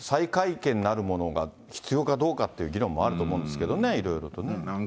再会見なるものが必要かどうかっていう議論もあると思うんですけどね、いろいろとね。